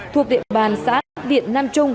thuộc điện bàn xã điện nam trung